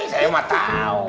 saya mah tau